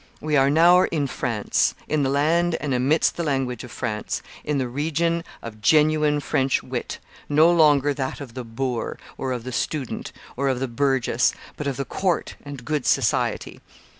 We are now in France, in the land and amidst the language of France, in the region of genuine French wit, no longer that of the boor, or of the student, or of the burgess, but of the court and good society.